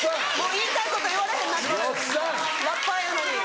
言いたいこと言われへんなってるラッパーやのに。